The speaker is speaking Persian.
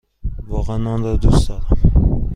واقعا آن را دوست دارم!